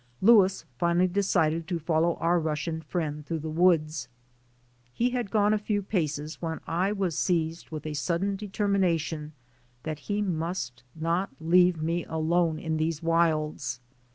Louis finally decided to follow our Russian friend through the woods. He had gone a few paces when I was seized with a sudden determination that he must not leave me alone in these wilds.